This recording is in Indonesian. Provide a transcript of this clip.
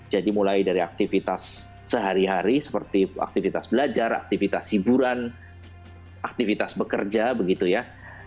jadi mulai dari aktivitas sehari hari seperti aktivitas belajar aktivitas hiburan aktivitas bekerja begitu ya